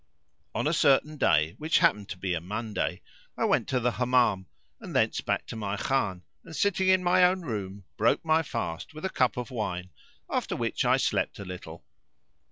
On a certain day which happened to be a Monday,[FN#520] I went to the Hammam and thence back to my Khan, and sitting in my own room[FN#521] broke my fast with a cup of wine, after which I slept a little.